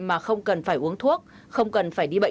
mà không cần phải uống thuốc không cần phải đi bệnh